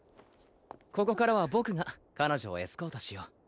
ここからは僕が彼女をエスコートしよう